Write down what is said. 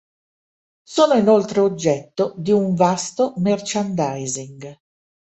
Sono inoltre oggetto di un vasto merchandising.